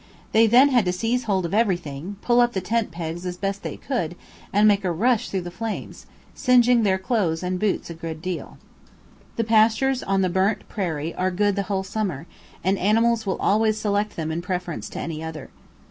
They then had to seize hold of everything, pull up the tent pegs as best they could, and make a rush through the flames, singeing their clothes and boots a good deal. The pastures on the burnt prairie are good the whole summer, and animals will always select them in preference to any other.